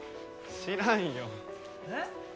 知らんよえっ？